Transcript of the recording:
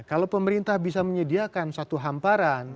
kalau pemerintah bisa menyediakan satu hamparan